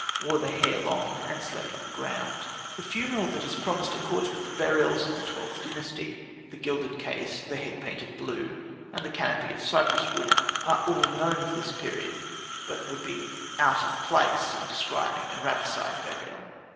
wore the hair long, and slept on the ground. The funeral that is promised accords with the burials of the XIIth Dynasty: the gilded case, the head painted blue, and the canopy of cypress wood, are all known of this period, but would be out of place in describing a Ramesside burial.